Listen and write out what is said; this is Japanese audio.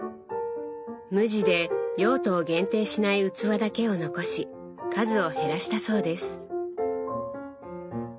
無地で用途を限定しない器だけを残し数を減らしたそうです。